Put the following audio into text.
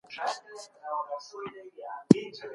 په هېواد کي ډېر نوي روغتونونه جوړ سول.